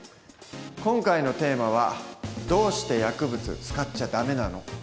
今回のテーマは「どうして薬物使っちゃダメなの？」。